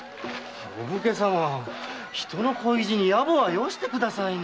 人の恋路に野暮はよしてくださいな。